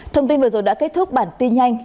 thông tin vừa rồi đã kết thúc bản tin nhanh